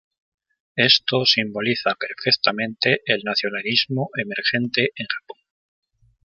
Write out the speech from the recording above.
Esto simbolizó perfectamente el nacionalismo emergente en Japón.